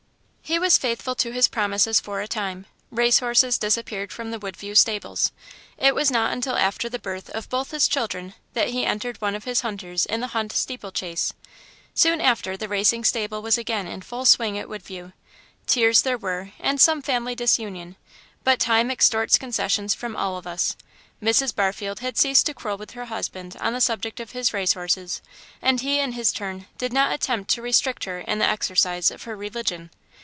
He was faithful to his promises for a time. Race horses disappeared from the Woodview stables. It was not until after the birth of both his children that he entered one of his hunters in the hunt steeplechase. Soon after the racing stable was again in full swing at Woodview. Tears there were, and some family disunion, but time extorts concessions from all of us. Mrs. Barfield had ceased to quarrel with her husband on the subject of his racehorses, and he in his turn did not attempt to restrict her in the exercise of her religion.